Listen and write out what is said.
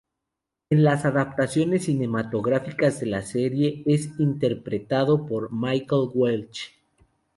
En las adaptaciones cinematográficas de la serie, es interpretado por Michael Welch.